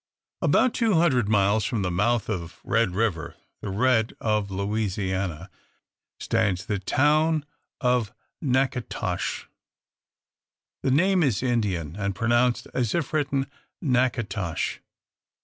About two hundred miles from the mouth of Red River the Red of Louisiana stands the town of Natchitoches. The name is Indian, and pronounced as if written "Nak e tosh."